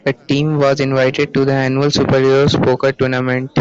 The team was invited to the annual Superheroes Poker Tournament.